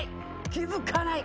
気付かない。